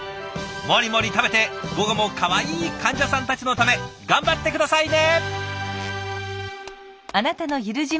モリモリ食べて午後もかわいい患者さんたちのため頑張って下さいね！